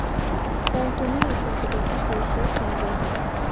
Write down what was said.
কারণ তুমিই একমাত্র ব্যক্তি যে সে শুনবে।